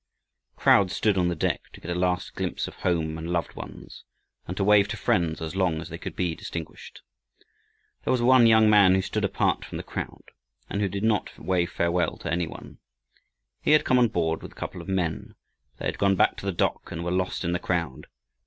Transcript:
Crowds stood on the deck to get a last glimpse of home and loved ones, and to wave to friends as long as they could be distinguished. There was one young man who stood apart from the crowd, and who did not wave farewell to any one. He had come on board with a couple of men, but they had gone back to the dock, and were lost in the crowd.